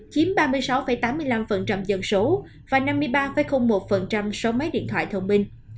chiếm ba mươi sáu tám mươi năm dân số và năm mươi ba một số máy điện thoại thông minh